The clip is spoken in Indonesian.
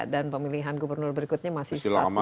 dan pemilihan gubernur berikutnya masih lama